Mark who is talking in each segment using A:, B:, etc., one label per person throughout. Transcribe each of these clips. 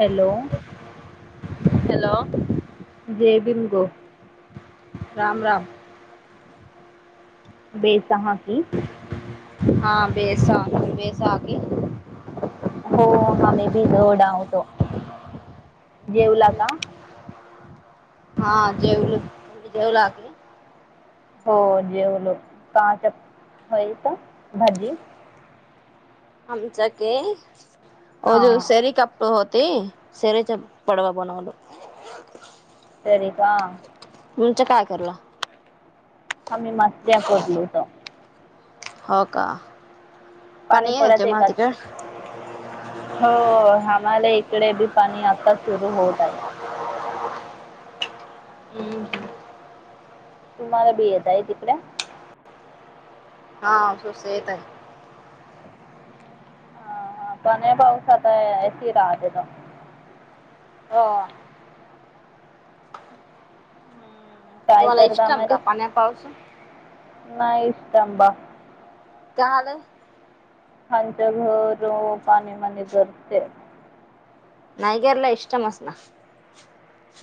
A: Hello!
B: Hello!
A: जेबिंगो
B: राम राम
A: बेसहा की,
B: हा बेसा बैसाखी
A: हो [unintelligible] जेवला का?
B: हा जेवलो तुमी बी जेवला हाके?
A: हो जेवलो, काच होईत भाजी
B: आमचाके वो जो
A: हां
B: सेरी कप होत ते सेरच्या पडवा बनवलो.
A: सरी का?
B: तुमचं काय करलाव?
A: [unintelligible]
B: हो का
A: पाणी
B: आहे
A: पडत ए
B: तुम्हाला
A: का
B: तिकड
A: हो इकडे बी पाणी आता सुरू होत आहे
B: [inaudible]
A: तुम्हाला भी येत आहे
B: [unintelligible]
A: हा हा पण या पावसात ऐसी राहतेत
B: हो
A: हम्म, काय
B: तुम्हाला
A: करता
B: इष्टम
A: मारी
B: का पाण्या पावसं
A: नाही इष्टंबा
B: [unintelligible]
A: खलचे घर पाणीमध्ये गळते
B: नाही गरला इष्टम अस ना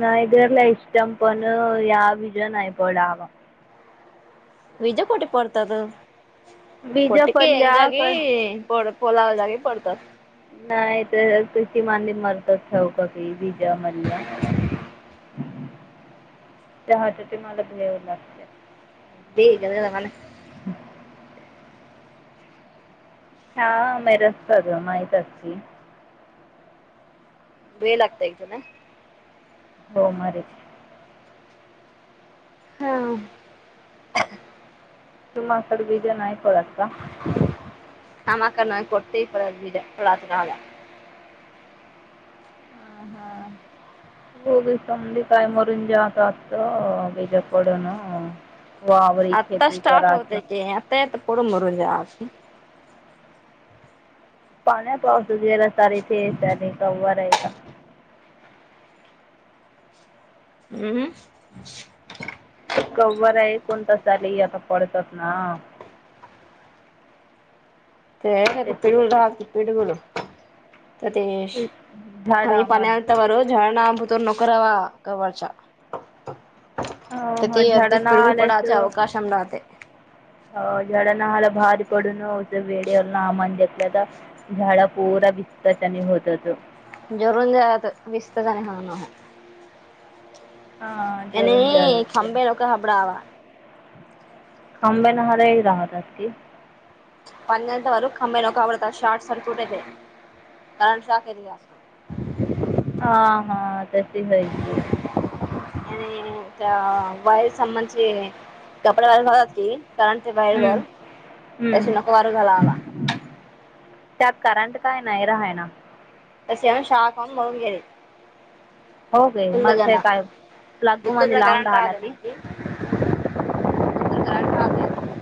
A: नयगरला इष्टम पण या विज नाई पडावा
B: विज कोट पडतात
A: बीज
B: कोटके
A: पडल्या
B: एगागे
A: क
B: पडत ओलाव जागी पडतात
A: नाही तर कची मांडी मारतात ठेऊका काही विजा [unintelligible] चहाचे ते मलाच घेव लागते
B: ते [unintelligible]
A: [unintelligible]
B: वेळ लागतोय ग त्याला
A: हो मारीच
B: हा
A: तुम्हा आकड बीज नाय पडत का
B: आमा का नय कोतेे पडत बिज [unintelligible]
A: हां हां होगी समंधी काय मरून जाय का बिजा पडुन
B: आता स्टार्ट होतय ते आता य तर पोर मरून जाशी
A: पाण्या पावस जरा सारीथ त्या [unintelligible] राहिता
B: हम हम
A: कव्वर आहे कोणता साले आता पडतात ना
B: ते
A: त्याचे
B: [unintelligible] [inaudible] तू
A: झाडा मन
B: तर नोकर रावा कवाचा
A: हो हो झाडा ना हले त
B: अवकाशम राहते
A: हो झाडा ना हल भार पडून होतं वेळेवर आमन घेतल्या तर झाडा पूरा विस्तकट होत होत
B: जरून जाात विस्त आणि ह
A: हां
B: आणि
A: जेवण जातात
B: खंभेलोक
A: खम्बेनला राहत असती
B: [unintelligible] शाॅट सर्कीट कारण शाॅक [unintelligible]
A: हा हा तशी होय की
B: आणि त्या वायर [unintelligible] कपडे वाळत घालव लागतय कारण ते बाहेर
A: हं,
B: घाल त्याशी
A: हं.
B: नको वार घाला आला
A: त्यात करंट काय नाही रहाय ना
B: [unintelligible]
A: हो गय
B: फुल्ल
A: मरथ
B: जण
A: काय लाग्गू म
B: गुत्तूरला
A: लावून
B: करंट
A: राहाला
B: राहते
A: ती
B: नाही
A: [inaudible]
B: की गुत्तूर करंट राहते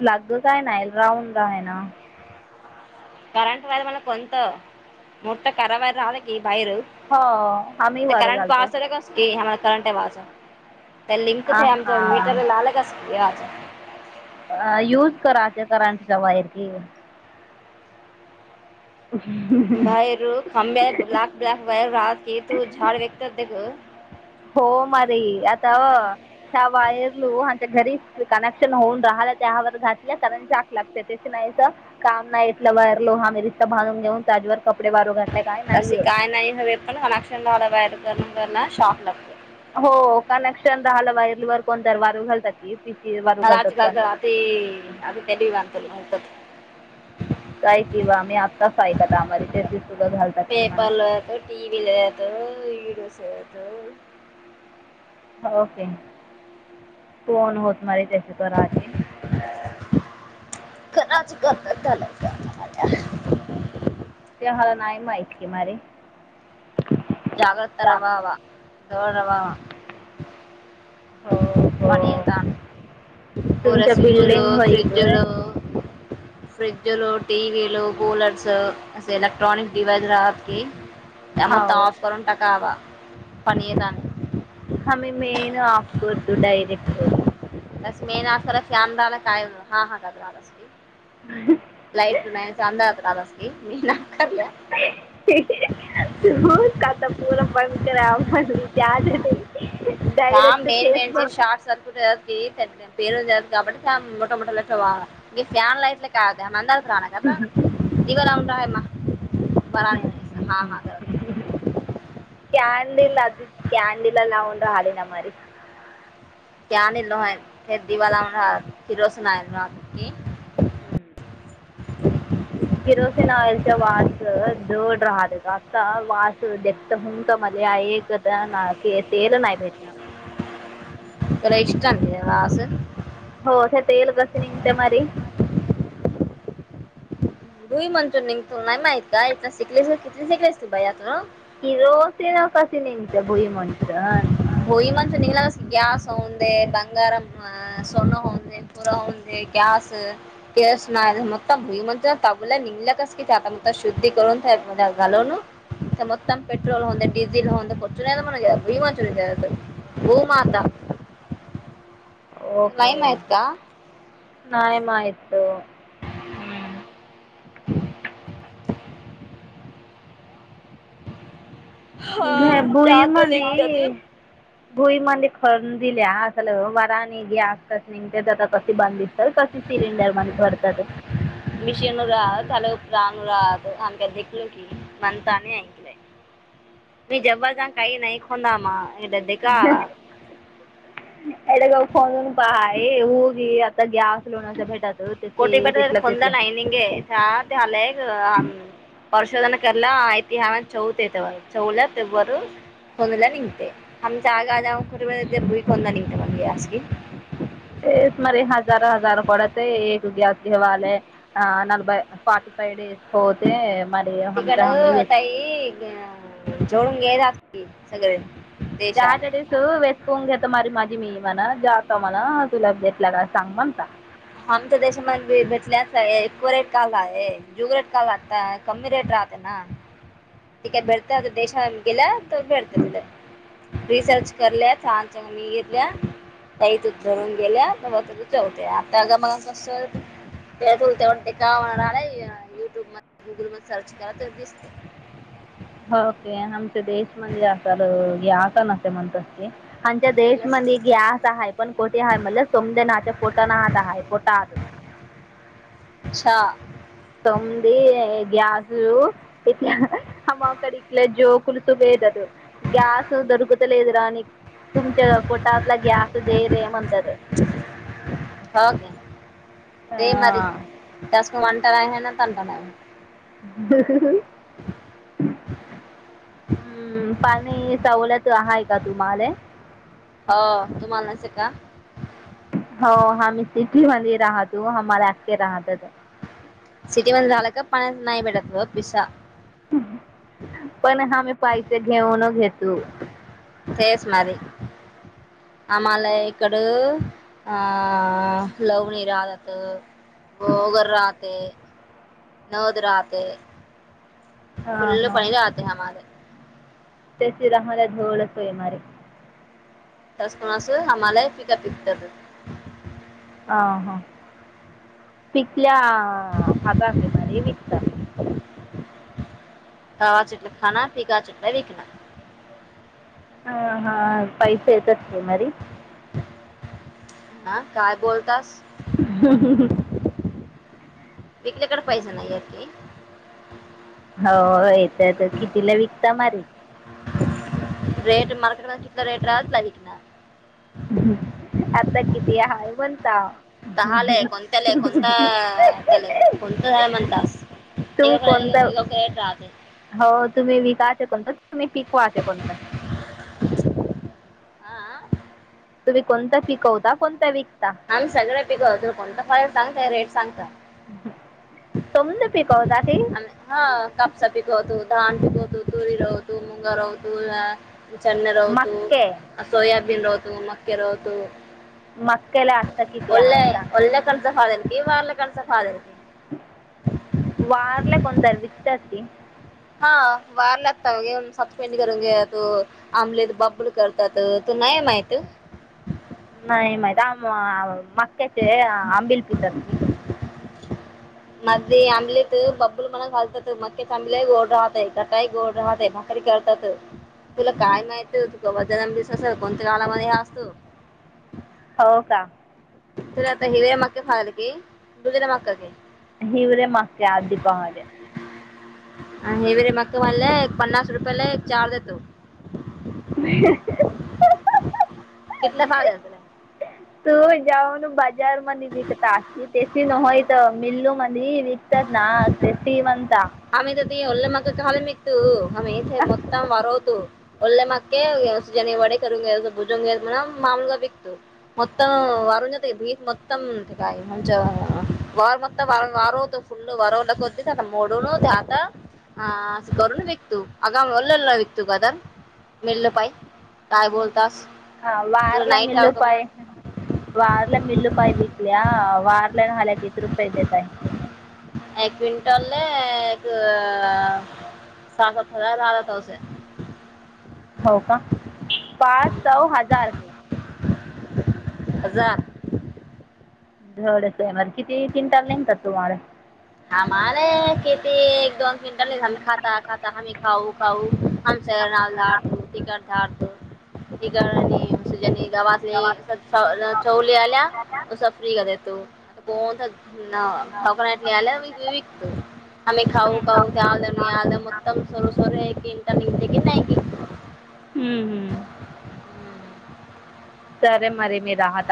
A: लाग काय नाल राहून का आहे ना
B: करंट वार मला कोत मुठा करावाारर रले की
A: हो आम्ही वारू घालतो हा हा
B: [inaudible] [inaudible]
A: [inaudible]
B: [inaudible]
A: हो मारी आता त्या वायर लू घरी कनेक्शन होऊन राहा त्यावर घातल्या कारण जाक लागते त्या नाही काम नाही [inaudible] घातले काय नाहीये
B: [inaudible]
A: [inaudible] घालतात पण
B: [inaudible]
A: [inaudible]
B: पेपरलतो टीव्हीलतो
A: [inaudible]
B: [inaudible]
A: [inaudible] तरचीी
B: राच गल झाला
A: [inaudible]
B: [inaudible]
A: [inaudible] तुमच्या बिल्डिंग होईतोय
B: [inaudible] [inaudible]
A: हाव
B: [inaudible]
A: [inaudible]
B: [inaudible] [inaudible]
A: [inaudible] [inaudible] डायरेक्ट फेसबुक
B: [inaudible] [inaudible] [inaudible] [inaudible]
A: [inaudible]
B: [inaudible]
A: [inaudible] [inaudible] [inaudible]
B: [inaudible]
A: [inaudible]
B: [inaudible]
A: [inaudible]
B: [inaudible] [inaudible] [inaudible] [inaudible]
A: ओके
B: [inaudible]
A: [inaudible] [inaudible] [inaudible] ते आता कसे बधसत कसे सिलेिंडर मध्ये भरतात
B: [unintelligible] [unintelligible]
A: [unintelligible] [unintelligible]
B: कोटी
A: ते-
B: बट
A: तिथलं
B: खंद
A: तिथलं
B: नायनिेथ ते हलग परर्शोधन ला इतिह चौथ येत चौदा फेब्रवर होनला निंततेे आमच्या जागा जा भ कोणंद तम्हाज क
A: हजार हजार पडते एक एक ग्यास दवाले अ नलबई फार्ट फाव डडेस पते
B: तिकडं ताई जोडून घे सगळे देशात
A: चहाडीस वेच पून घेत मारी माझी मी म्हणा जात म्हणा तुला भटला का सांग म्हणता
B: आमच्या देशमध्ये बी बचल्याच आहे इको रेट काल आहे ज्युग रेट काल लागता कमी रेट राहते ना ह अठीक बळतेय देशम गेला तळतातला रसर्च करलं छान चांगघेतलं तही तूच भरून गेल्या तेवते तग मग तेळोल तेवते का म्ह युट्यूब मध्ये गुगल म सर्च केरा तर दिसते
A: होके आमच्या देशमध्ये असल हे आता न म्हणत क आच्या देशमध्ये स आहे पण कोठे आहे म्ह सोम नाच्या फोट ता हाय पोतात
B: अच्छा
A: समधी ग्यासू इथ हमाकडे इकले जो पुलसो वयद ग्यास दरकतलेद राणी तुमच्या पोटातला गॅस दे रे म्हणंत
B: हो ते मारी त्यासकन नाही ना तन नाही
A: देून हम्म पाणी सवलत आहेय का तुम्हाला
B: हो तुम्हालाच का
A: हो हम्ही सिटीमध्येंद राहतो आमलाे राहत
B: सिटी मध्ये झालं का पाण्या नाही भेटत पिसा
A: पण ह मी पैसे घेऊन घेतो
B: फच माारी.
A: ह
B: आम्हाला इकडं अ लवणी राहहात वगर राहते नद राहते फुल् पणीर आते का माझ
A: तेसरहमद धढोळ सोय मारे
B: कसकणास हम्हालाय पिकअप इत
A: ह हा कल्या खाताात मर विकता
B: कावा चटला खाणा प काा चटला विकणा
A: ह हा पैसे येतात की मरी
B: हा काय बोलतास
A: ह्म ह ह
B: विकल्याकडे पाहिजे नाही आहे की
A: हो येत तर कितीला विकत मारी
B: रेट मारकड चित रेट राहला अलीिक ना
A: आता किती हय म्हणता
B: तहालय कोणत्या लय कोणता त्यालाय कोणतं झाय म्हणतास
A: तुम्ही कोणतं
B: इककट राहत
A: कोणत तुम्ही पिकू कोणत.
B: आह.
A: तुम्ही कोणता पिकवता कोणता विक.
B: आम्ही सगळे पिकवतो कोणत फ सांगताय रेट सांगता.
A: समंद पीिक जा.
B: आणि हा कापसा पीकवत धान पीकवत तुरी रवत मुगा रवत. चचे् रहत
A: मक्के
B: सोयाबीन राहत मके रहत.
A: मक्क्याला आत्ता किती आहे
B: ले
A: सांग
B: ल् कणसा खाद की वाारले कणसा खादकी.
A: वारला कोणतर विचारती.
B: हा वार लागत घेऊन सपपेंड करून घेतो आमलेद बबल करतात. नाहीयमयत.
A: नाही माहिित मक्क्याचे आंबिल पिती.
B: मध्ये आंबलेट बब्बूल मणा घातात मगक्याच आंबल्या गोड राहत आहे घटा गोड राहतय. करतात. तुला काय माहित तूबा ज दिसल कोणत्या काळामध्ये ह असतो.
A: हो का.
B: तु आता हिर्या मक्क फल की दुगरा मक्का क.
A: इवरे मके आदपहाार.
B: अ हेवेरे मक म्हणले एक पन्नास रुपयाला एक चार देतो. किितला भाग यला.
A: तू जावन बाजार म निवकता अस तेसी न होय तर मललू. म विकतात ना ते सी म्ह.
B: आम तर ते ल् मग काल मघतू आही मतम वरवतो. लेे मके स जनी वडे करंग घल भुजंग घयल म्हणा मामग बीघत म. भ म ल. [unintelligible] मोड. ून आता अं करून विकतू आगाम लेल ना विकतू काता मिळलं पाहि काय बोलत.
A: हा वारला मल्लु
B: मग
A: पाय वारला मल्लु पय वीटल. वारल्यान ह्याला किती रुपये देता.
B: एक क्विंटल एक अअ [unintelligible]
A: हो का पाच सव हजार के.
B: जा.
A: डच आहे मर किती तिनटाल नेतात तुम्हाला..
B: आमला खेती एकदम. मिंट खाता खाता हमीही खाऊ खाऊ ह सनाधार धो टिकट धारट आणि. गवातले चवले आल्या त फ्री कर देतो कोण. ना भाक. यला विकतो आम्ही खाऊ खाऊ त्या आलं आलं मतम सर्व सर आहे. ते क नाही क.
A: हम्म हम्म सरे मर. मे राहात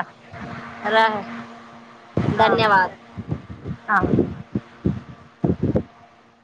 B: रा-
A: हांर
B: धन्यवाद
A: हां.
B: [inaudible]